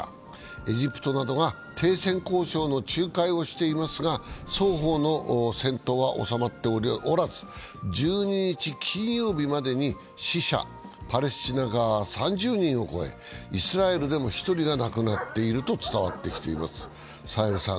エジプトなどが停戦交渉の仲介をしていますが双方の戦闘は収まっておらず１２日金曜日までに死者、パレスチナ側は３０人を超えイスラエルでも１人が亡くなっていると伝わってきています。